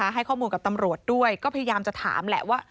ให้ข้อมูลกับตำรวจด้วยก็พยายามจะถามแหละว่า